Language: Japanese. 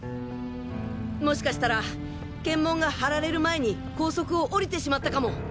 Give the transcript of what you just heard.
もしかしたら検問が張られる前に高速を降りてしまったかも。